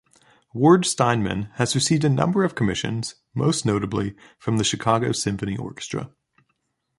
Ward-Steinman has received a number of commissions, most notably from the Chicago Symphony Orchestra.